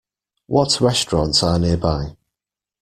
What restaurants are nearby?